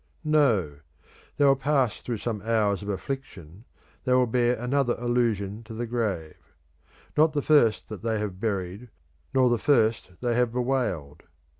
No; they will pass through some hours of affliction; they will bear another illusion to the grave; not the first that they have buried, not the first they have bewailed.